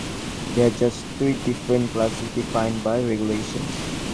There are just three different classes defined by regulations.